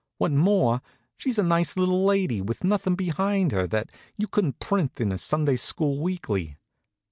What's more, she's a nice little lady, with nothin' behind her that you couldn't print in a Sunday school weekly.